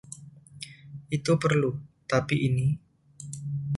Itu perlu, tapi ini.